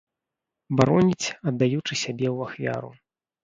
Бароніць, аддаючы сябе ў ахвяру.